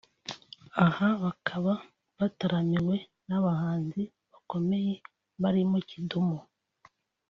aha bakaba bataramiwe n’abahanzi bakomeye barimo Kidum